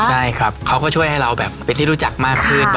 ใช่ครับเขาก็ช่วยให้เราแบบเป็นที่รู้จักมากขึ้น